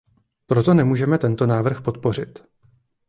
Proto nemůžeme tento návrh podpořit.